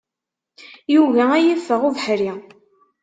Yugi ad yi-iffeɣ ubeḥri.